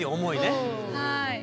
はい。